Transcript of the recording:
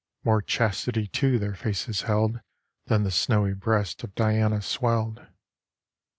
More chastity too their faces held Than the snowy breasts of Diana swelled.